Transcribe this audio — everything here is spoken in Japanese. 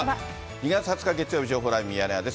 ２月２０日月曜日、情報ライブミヤネ屋です。